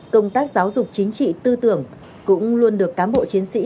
công tác giáo dục chính trị tư tưởng cũng luôn được cán bộ chiến sĩ